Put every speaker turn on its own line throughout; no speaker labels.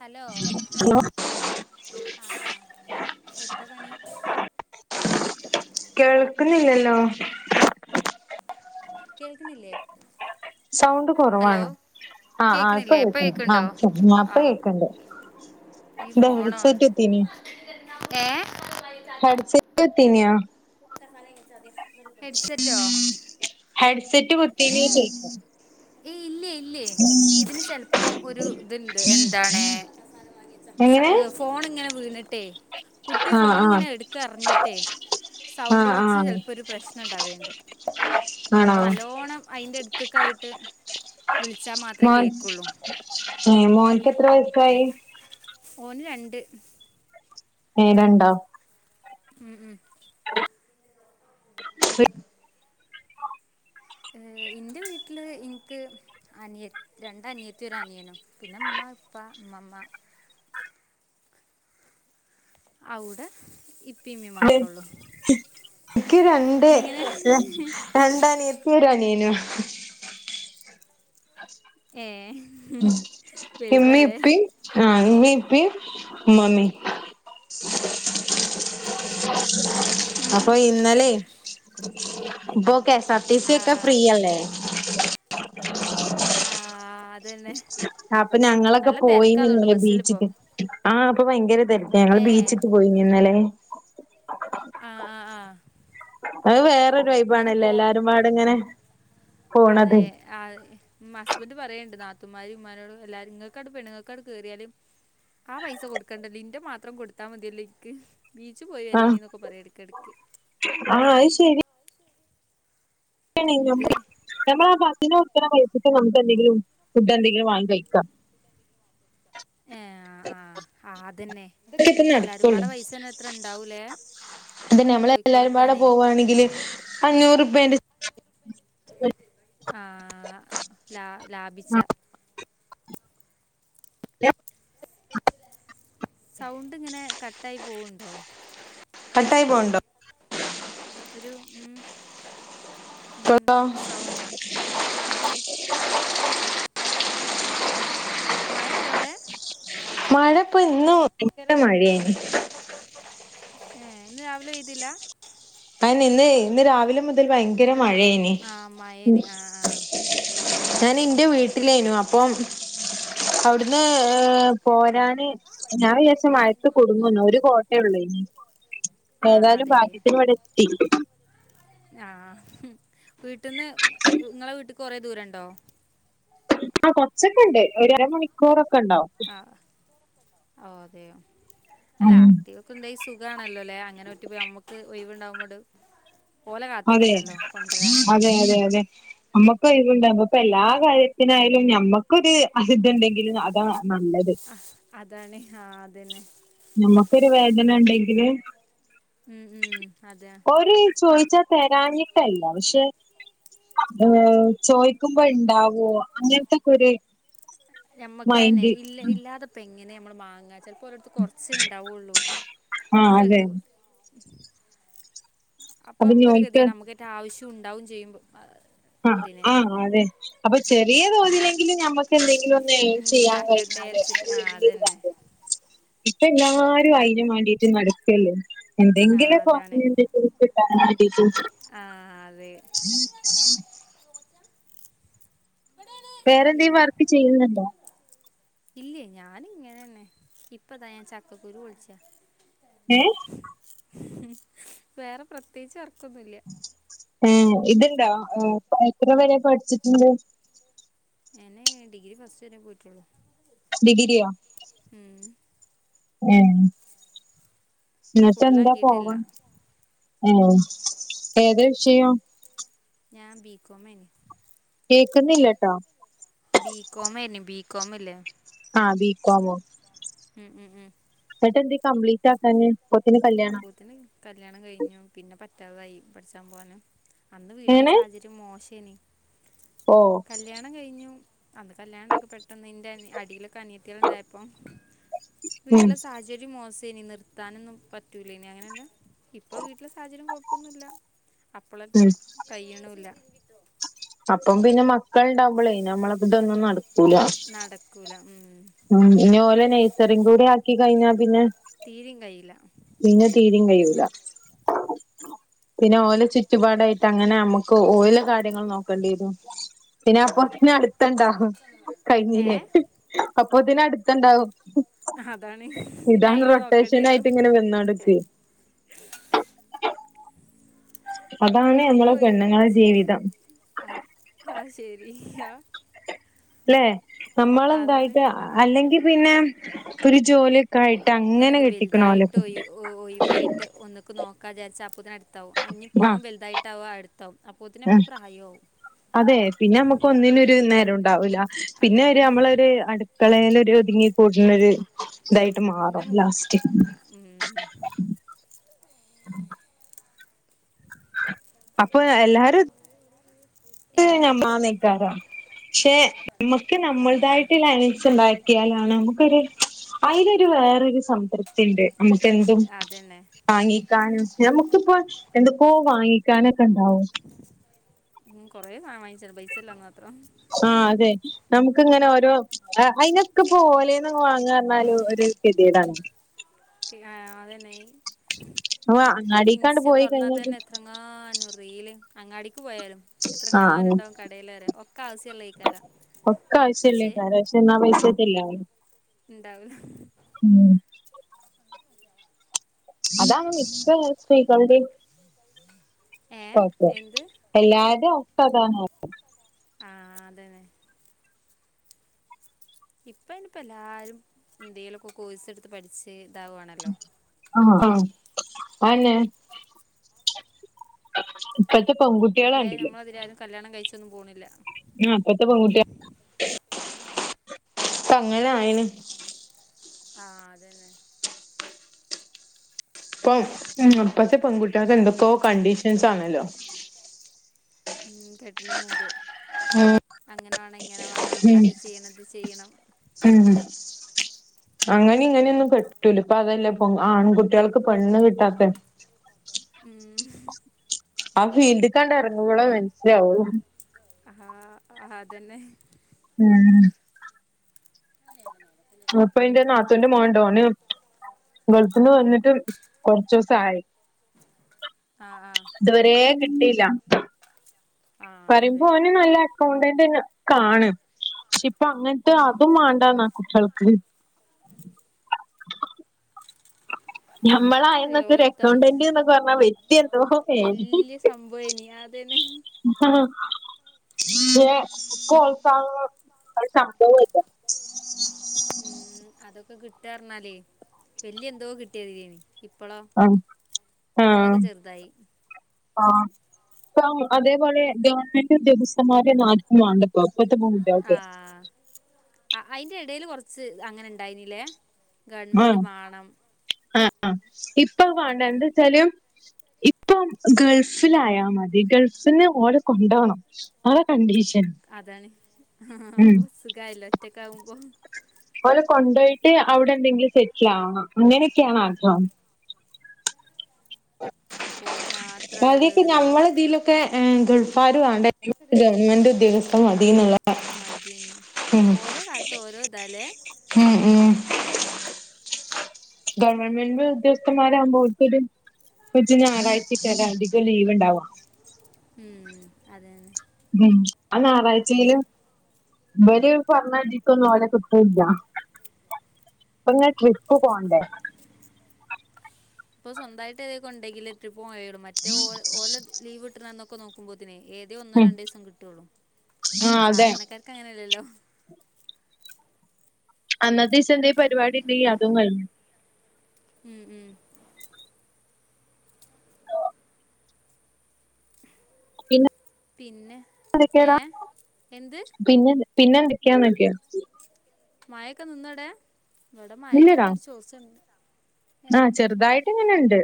hello
hello
ആ എത്താ പണി
കേൾക്ക്ന്നില്ലല്ലോ
കേൾക്ക്ന്നില്ലേ
സൗണ്ട് കോറവാണ് ആ ആ ഇപ്പ
കേക്കണില്ലേ
കേക്ക്ണ്ട്
കേക്കണ്ടോ
ആ ഇപ്പ
ആഹ്
കേക്ക്ണ്ട്
ഈ
ന്താ ഹെഡ്
ഫോണോ
സെറ്റ് കുത്തിനിയോ
ഏ
ഹെഡ് സെറ്റ് കുത്തിനിയോ
ഹെഡ്സെറ്റോ
ഹെഡ്സെറ്റ് കുത്തീനോ ചോയ്ക്ക
ഏയ് ഇല്ലേ ഇല്ലേ ഇതിന് ചെൽപ്പം ഒരു ഇത്ണ്ട് എന്താണ് സ
എങ്ങനെ
ഫോണ്ങ്ങനെ വീണ് ട്ടെ കുട്ടി
ആഹ് ആഹ്
ഫോണ്ങ്ങനെ ഇട്ക്ക എർഞ്ഞിട്ടെ സൗണ്ട്
ആഹ്
ബോക്സ്ന്
ആഹ്
ചെൽപ്പോരു പ്രശ്നണ്ടാവെണ്ട്
ആണോ
അപ്പ നല്ലോണം അയിന്റെ എട്ത്ത്ക്കായിട്ട് വിൾചാ മാത്രേ കേക്കൊള്ളൂ
ഏ മോൻക്ക് എത്ര വയസായി ഉ
ഓന് രണ്ട്
ഏ രണ്ടോ
ഉം ഉം
ആ ഉം
ഏ ഇന്റെ വീട്ട്ല് ഇൻക്ക് അനിയ രണ്ട് അനിയത്തി ഒര് അനിയനും പിന്നെ ഇമ്മ ഇപ്പ ഇമ്മമ്മ ഔടെ ഇപ്പ
ണ്ട് ഇക്ക് രണ്ട്
എങ്ങനെ
രണ്ടനിയത്തി ഒരനിയനും അ
ഏഹ് വലുതാ
ഇമ്മീം
ല്ലേ
ഇപ്പീം ആഹ് ഇമ്മീ ഇപ്പീ ഇമ്മമ്മി
ഏഹ്
അപ്പൊ ഇന്നലെ ഇപ്പൊക്കെ സാ ടി സി
ആ
ഒക്കെ
ആ
ഫ്രീയല്ലേ
ആഹ്
ആഹ് അപ്പൊ ഞങ്ങളൊക്കെ
തിരക്കാ
പോയീനി
അതുകൊണ്ട്
ന്നലെ
ബസ്സിലിപ്പോൾ
ബീച്ചിക്ക് ആഹ് അപ്പൊ ഭയങ്കര തെരക്ക ഞങ്ങള്
ഏ
ബീച്ക്ക് പോയിനി ന്നലേ
ആഹ്
അത് വേറരു വൈബ്
ഇങ്ങനെ
ആണല്ലോ
പോ
എല്ലാരും പാടെ ഇങ്ങനെ പോണത്
അതെ ആ മ്മ ഹസ്ബൻഡ് പറയണ്ട് നാത്തൂമാരും ഇമ്മാരോടും എല്ലാരും ങ്ങക്കട്ട് പെണ്ണുങ്ങക്കാട്ട് കേറിയാല് ആ പൈസ കൊടുക്കേണ്ടല്ലോ ലിന്റെ മാത്രം കൊടുത്താ മതിയല്ലേ ഇക്ക് ബീച്ച് പോയി
ആഹ്
വരേനി എന്നൊക്കെ പറയും എടക് എടക്ക്
ആഹ് അയ് ശരി യാണേലും
ഇതുവരെ
നമ്മളാ ബസിന് കൊടുക്കണ പൈസയ്ക്ക് പൈസയ്ക്ക് നമുക്കെന്തെങ്കിലും ഫുഡ് എന്തെങ്കിലും വാങ്ങി കഴിക്കാം
ഏഹ് ആഹ് -ആഹ് അതന്നെ
അതൊക്കെ ഇപ്പ
എല്ലാരും
നടക്കുള്ളൂ
പാടെ പൈസ തന്നെ എത്ര ഇണ്ടാവൂലേ
അതന്നെ ഞമ്മളെല്ലാരും പാടെ പോവാണെങ്കില് അഞ്ഞൂറുപ്പ്യെന്റെ
ആഹ് ലാ ലാഭിച്ച
ലാ
സൗണ്ട് ഇങ്ങനെ കട്ടായി പോവുണ്ടോ
കട്ടായി പോവണ്ടോ
ഒരു ഉം ഉം
ട്ടോ
സൗണ്ട് ആഹ് ഇ മഴയൊണ്ടോവിടെ
മഴ ഇപ്പൊ ഇന്നും [inaudible] മഴയാനി
ഏഹ് ഇന്ന് രാവിലെ പെയ്‌തില്ല
അയിനിന്ന് ഇന്ന് രാവിലെ മുതൽ ഭയങ്കര മഴയേനി
ആ മഴേന് ആ ആ
ഞാൻ ഇന്റെ വീട്ടിലായിനു അപ്പം അവിടുന്ന് ഏഹ് പോരാന് ഞാൻ വിചാരിച്ച് മഴയത്ത് കുടുങ്ങോന്ന് ഒരു കോട്ടേയുള്ളേനി ഏതായാലും ഭാഗ്യത്തിന് ഇവിടെത്തി
ആഹ് വീട്ടിന്ന് ങ്ങളെ വീട്ടക്ക് കൊററേ ദൂര ഉണ്ടോ
പ്പോ കൊറച്ചൊക്കെ ഉണ്ട് ഒരരമണിക്കൂറൊക്കെ ഉണ്ടാവും
ആഹ് ഓ അതെയോ അല്ല
ഉം
ആക്റ്റീവ് ക്കുന്തേ സുഖാണല്ലോല്ലേ അങ്ങനെ ഒറ്റി പോയി നമ്മുക്ക് ഒഴിവുണ്ടാവുമ്മട്
അതെ അതെ അതെ അതെ നമ്മുക്ക് ഒഴിവുണ്ടാവുമ്പോ ഇപ്പൊ എല്ലാ കാര്യത്തിനായാലും ഞമ്മ ക്കൊര് അഹ് ഇതുണ്ടെങ്കില് അതാ നല്ലത്
അഹ് അതാണ് ആഹ് അതന്നെ
നമ്മുക്കൊരു വേദന ഉണ്ടെങ്കില്
ഉം ഉം അതെ
ഓര് ചോയിച്ചാ തെരാഞ്ഞിട്ടല്ല പക്ഷെ ഓ ചോയിക്കുമ്പോ ഇണ്ടാവോ അങ്ങനത്തെക്കൊര്
ഞമ്മക്കാന്നെ ഇല്ല ഇല്ലാതപ്പോ എങ്ങനെയാ ഞമ്മള് മാങ്ങാ ചെലപ്പോ ഒര ടത്ത് കൊറച്ചെ ഉണ്ടാവുള്ളൂ
ആ
ഇപ്പ
അതെ
ഇത് അപ്പൊ നമുക്കൊരു ഗതികേടാ നമുക്കതിന്റാവശ്യം ഉണ്ടാവേം ചെയ്യുമ്പ
ആഹ് ആഹ് അതെ അപ്പൊ ചെറിയ തോതിലെങ്കിലും ഞമ്മക്ക് എന്തെങ്കിലും ഒന്ന് ഏൺ ചെയ്യാൻ
ഇണ്ടാക്കട്ടെ
കഴിഞ്ഞാല്
വിചാരിച്ചിട്ട്
അത്
ആഹ്
വല്ലിയൊരു കാര്യാ
[inaudible]
ഇപ്പ എല്ലാരും അയിനും വേണ്ടിയിട്ട് നടക്കല്ലേ
ആഹ്
എന്തെങ്കിലൊക്കെ
അതാണ്
വാങ്ങണ്ടെ കുറിപ്പ് ട്ടാൻ വേണ്ടിട്ട്
ആഹ് അതെ
[inaudible] വേറെന്തേം വർക്ക് ചെയ്യുന്നുണ്ടോ
ഇല്ലേ ഞാനിങ്ങനെ തന്നെ ഇപ്പതാ ഞാൻ ചക്കക്കുരു പൊളിച്ചാ
ഏഹ്
വേറെ പ്രത്യേകിച്ച് വർക്കൊന്നുല്ല്യ
ഏഹ് ഇതിണ്ടോ എത്ര വരെ പഠിച്ചിട്ടുണ്ട്
ഞാന് ഡിഗ്രി ഫസ്റ്റ് വരെ പോയിട്ടുള്ളൂ
ഡിഗ്രിയോ
ഉം
ഏഹ് എന്നിട്ടെന്താ
ഫുള്ളാക്കിയിട്ടില്ല
പോവാൻ ഏഹ് ഏതാ വിഷയോം
ഞാൻ ബീകോമാന്
കേക്കുന്നില്ലട്ടോ
ബി കോമെന്നു ബികോമില്ലേ
ആഹ് ബി കോ മോ
ഉം ഉം ഉം
ന്നിട്ടന്തെ ഈ കംപ്ലീറ്റ ക്കാഞ്ഞേ അപ്പൊത്തി
അപ്പോത്തിന് കല്ല്യാണം കയ്ഞ്ഞു പിന്നെ പറ്റാതായി പഠിച്ചാൻ പോവാന് അന്ന് വീട്ടിലെ
എങ്ങനെ
സാഹചര്യം മോശേനി
ഓഹ്
കല്യാണ ണം കയ്ഞ്ഞു അന്ന് കല്യാണ്ടക്കെ പെ ട്ടന്ന് എന്റെ അടിയിലൊക്കെ അനിയത്യേൾ ഉണ്ടായപ്പം
ഉം
വീട്ടിലെ സാഹചര്യം മോശം നി നിർത്താനൊന്നും പറ്റൂലനി അങ്ങനെന്നെ ഇപ്പൊ വീട്ടിലെ സാഹചര്യം കൊഴപ്പൊന്നുല്ല
ഉം
അപ്പളത്തെ കയ്യുണില്ല
അപ്പം പിന്നെ മക്കൾ ണ്ടാവുബളെ നമ്മളതോന്നും നട ക്കൂല
നടക്കൂല ഉം
ഉം ഇനി ഓലെ നെയ്സറി കൂടെ ആക്കി കയിഞ്ഞാ പിന്നെ
തീരേം കയ്യില്ല
പിന്നെ തീരേം കഴിയൂല പിന്നെ ഓലെ ചുറ്റുപാടായിട്ട് അങ്ങനെ നമുക്ക് ഓല കാ ര്യങ്ങൾ നോക്കേണ്ടിവരും പിന്നെ അപ്പൊ
അതാണ്
പിന്നെ അടുതെയ്ണ്ടാവും
ഏ
കയിഞ്ഞിലെ അപ്പൊത്തിനും അടുത്തണ്ടാവും
അതാണ് പിന്നെ
ഇതാണ്
അയിനെ നോക്കേണ്ടി
റൊട്ടേഷൻ
വരും
ആയിട്ട് ങ്ങനെ വന്നൊണ്ട്ക്കെയ്
അപ്പൊ
അതാണ് നമ്മളെ
നമുക്കോ യി
പെണ്ണുങ്ങളെ ജീവിതം
അത് ആഹ് ശരി യാ
അല്ലെ നമ്മളെന്തായിട്ട് അല്ലെങ്കിൽ പിന്നെ ഒരു ജോലിയൊക്കെയിട്ട്
ഇവനൊക്കെ വെലുതായിട്ട് ഒയ് ഒ ഒയിവായിട്ട് ഒന്ന് മക്ക് നോക്കാ വിചാരിച്ച അപ്പോത്തിനടുത്താവും ആ ഞ്ഞി പ്പോ ഓൻ
ആ
വലുതായിട്ടാവകും അടുത്താവും അപ്പോത്തിനും ഞമ്മക്ക് പ്രായാവും
അതെ പിന്നെ മ്മക്ക് ഒന്നിനും ഒരു നേരോണ്ടാവൂല പിന്നെ ഒര്
അതാണ്
അമ്മളൊരു അടുക്കളേലൊരു ഒതുങ്ങി കൂടുന്നൊരു തായിട്ട്
ഉം
മാറും
നമ്മ
ലാസ്റ്റ്
ഉം
അപ്പൊ എല്ലാരും ത്തി
ഏ
ഞമ്മാന്നിക്കാരം പക്ഷെ മ്മക്ക് നമ്മൾതായിട്ട്ള്ള ഏണിങ്സ് ണ്ടാക്കിയാലാണ് നമുക്കൊരു അയ്ലൊരു വേറോരു സംതൃപ്തി ണ്ട്
ഇത് സ്
നമുക്കെന്തും
അതന്നെ
വാങ്ങിക്കാനും നമുക്കിപ്പൊ എന്തൊക്കോ വാങ്ങിക്കാനൊക്കെ ണ്ടാവും
ഉം കൊറെ സാദനം വാങ്ങിച്ചത് പൈസല്ലാന്ന് മാത്രം
ആ അതെ നമുക്ക് ങ്ങനെ ഓരോ ആ അയ്നൊക്കെപ്പോ ഓലേന്ന് വാങ്ങാറഞ്ഞാല് ഒരു കെതിയെടാണ്
ക്കി ആ അതന്നെയ്
അപ്പൊ
പ്പൊ
അങ്ങാടിക്കാണ്ട്
ഇൻസി
പോയി
തോറന്നാൽ
കഴിഞ്ഞാൽ
തന്നെ എത്ര എത്രങ്ങാനും റീല് അങ്ങാടിക്ക് പോയാലും എത്രങ്ങാനം
ആഹ്
ണ്ടാവും കടെലറിയോ ഒക് ക്കാവസ്യള്ളെയ്ക്കാരം
ഒക്കെ ആവശ്യള്ളെയ്ക്കാരം പക്ഷേ ന്നാ പൈസട്ടില്ല
ണ്ടാവൂല
ഉം അതാണ് മിക്ക സ്ത്രീകളുടീം
[inaudible]
ഓക്കേ
എന്ത്
എല്ലാർടേം അവസ്ഥതാണ്
ആ അതെന്നെ ഇപ്പയിന് പ്പൊ എല്ലാരും ന്തേലൊക്കെ കോഴ്സ് ടുത്ത് പഠിച്ച് താവാണല്ലോ
അ ആ അയന്നെ പ്പഴ്ത്തെ പെൺകു
വേം നമ്മളതിലായാലും കല്യാണം കഴിച്ചൊന്നും പോണില്ല
ആ പ്പത്തെ പെൺകുട്ടേ ഇപ്പ അങ്ങനെ ആയീണ്
ആ അതന്നെ
ഇപ്പം ഉം ഇപ്പത്തെ പെങ്കുട്യാക്ക് എന്തൊക്കോ കണ്ടീഷൻസ് ആണല്ലോ
ഉം കെട്ട്ണി മുമ്പ്
ഉം
അങ്ങനെ വാണം ഇങ്ങനെ വാണം അത് ചെയ്യണം ഇത് ചെയ്യണം
ഉം അങ്ങനെ ഇങ്ങനെയൊന്നും കെട്ടൂല ഇപ്പൊ അതല്ലേ ആൺകുട്ട്യാക്ക് പെണ്ണ് കിട്ടാത്തെ
ഉം
ആ ഫീൽഡ്കാണ്ട് എറങ്ങുമ്പളെ മൻസ്സിലാവൊള്ളൂ
ആ ആതന്നെ
ഉം
[inaudible]
ഇപ്പ ഇന്റെ നാത്തൂന്റെ മോൻണ്ട് ഓന് ഗൾഫ്ന്ന് വന്നിട്ട് കൊർച്ചൂസായി
ആആ
ഇതുവെരെ കിട്ടീല്ല
ആഹ്
പറിയുമ്പോ
അതെ
ഓന് നല്ല അകൗണ്ടൻ്റ് കാണ് പക്ഷെ ഇപ്പ അങ്ങൻത്തെ
ഉം
അതും മാണ്ടാന്നാ കുട്ട്യൾക്ക്
ഇൻക്കറിയില്ല
ഞമ്മളായന്നൊക്കെ ഒരു
ഓലെത്താ വിചാ
അക്കൗണ്ടന്റ്ന്ന് പർഞ്ഞാ വെല്യ എന്തോ മേനി
വല്യ സംഭവേനി അതെന്നെ
[unintelligible] ഒരു സംഭവു അല്ല
ഉം അതൊക്കെ കിട്ടാർഞ്ഞാലേ വല്യ എന്തോ കിട്ട്യാതിരേനി
ആഹ് ആഹ്
ചെറുതായി
ആഹ് ഇപ്പ അതേപോലെ ഗവൺമെന്റ് ഉദ്യോഗസ്ഥന്മാരെന്നും ആര്ക്കും വാണ്ടപ്പോ ഇപ്പത്തെ പെ
ആഹ് അ ഐൻ്റെടേല് കൊർച്ച് അങ്ങനെണ്ടായ്നിലെ ഗവൺമെൻ്റ് മാണം
ആഹ് ആഹ് ഇപ്പത് വാണ്ട എന്തച്ചാല് ഇപ്പം ഗൾഫിലായ മതി ഗൾഫ്ല്ന്ന് ഓലെ കൊണ്ടോണം ആ കണ്ടീഷൻ
അതാണ്
ഉം
സുഖായല്ലോ ഒറ്റക്കാകുമ്പോ
ഓലെ കൊണ്ടോയ്ട്ട് അവിടെ എന്തെങ്കിലും സെറ്റ്ലാവണം അങ്ങനൊക്കേണ് ആഗ്രഹം
അപ്പോല്മാ
ഓൽതീക് ഞമ്മളെതീലും ക്കെ ഗൾഫാര് വാണ്ട ഗവൺമെന്റ് ഉദ്യോഗസ്ഥൻ മതി എന്ന്ള്ള
മതീന്ന് ഓരോ കാൽത്ത് ഓരോതാലെ
ഉം ഉം ഗവൺമെന്റ് ഉദ്യോഗസ്ഥൻമാരാവുമ്പോ ഓൽകൊര് [unintelligible] ഞായറഴ്ചെക്കാരം അധികം ലീവ്ണ്ടാവാ
ഉം അതെന്നെ
ഉം ആഹ് ഞായറാഴ്ചേലും ഇവര് പർഞ്ഞ ഇതീക്കൊന്നും ഓലെ കിട്ടൂല്യ ഇപ്പങ്ങനെ ട്രിപ്പ് പോണ്ടേ
ഇപ്പൊ സ്വന്തായ്ട്ട് കൊണ്ടെങ്കിലേ ട്രിപ്പ് പോവാൻ കയ്യൊള്ളൂ മറ്റേ ഓ ഓലെ ലീവ്ട്ട്ണ അന്നൊക്കെ നോക്കു നോക്കുമ്പോത്തിനെ ഏതോ ഒന്നോ
ഉം
രണ്ടീസം കിട്ടൊള്ളൂ
ആഹ് അതെ
സാധാരണക്കാർക്ക് അങ്ങനെല്ലല്ലോ
അന്നത്തീസം എന്തേ പരിപാടി ഇണ്ടങ്കീ അതും കഴിഞ്ഞു
ഉം ഉം
പിന്നെ
പിന്നെ ഏ എന്ത്
പിന്നെ എന്തൊ പിന്നെന്തെക്ക്യാന് ചോയ്ക്കാ
മാഴക്കെ നിന്നടെ ഇവടെ മാഴക്കൊക്കെ
ഇല്ലടാ
ഒരു ചോർച്ചണ്ട്
ആഹ് ചെറ്തായിട്ട് ഇങ്ങനെണ്ട്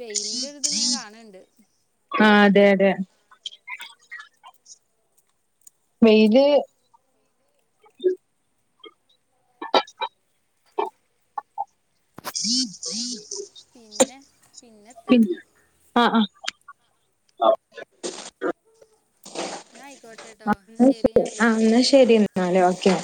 വെയില്ന്റെ ഒര്ത്ങ്ങനെ കാണ് ഇണ്ട്
ആഹ് അതെ അതെ വെയ്ല് [unintelligible]
പിന്നെ പിന്നെത്താ
പി ആഹ് ആഹ്
എന്നാ ആയിക്കോട്ടെ കേട്ടോ
ആ ന്നാ ശരി
ഞാൻ
ആ
വിളിക്കാട്ടോ
എന്നാ ശരി എന്നാല് ഓക്കെ